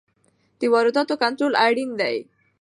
د وارداتو کنټرول اړین دی.